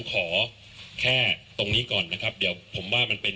ขอแค่ตรงนี้ก่อนนะครับเดี๋ยวผมว่ามันเป็น